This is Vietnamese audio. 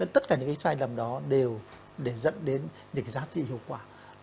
tất cả những cái sai lầm đó đều để dẫn đến những cái giá trị hiệu quả